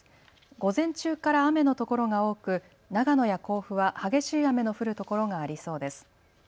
午前中から雨のところが多く長野や甲府は激しい雨の降るところがありそうです。